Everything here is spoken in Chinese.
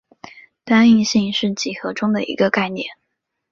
单应性是几何中的一个概念。